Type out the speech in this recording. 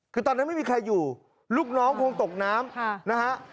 คือตอนนั้นไม่มีใครอยู่ลูกน้องคงตกน้ำนะฮะ